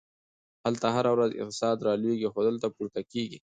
هلته هره ورځ اقتصاد رالویږي، خو دلته پورته کیږي!